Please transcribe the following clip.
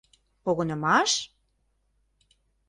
Погынымаш?